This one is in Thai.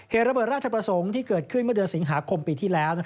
เหตุระเบิดราชประสงค์ที่เกิดขึ้นเมื่อเดือนสิงหาคมปีที่แล้ว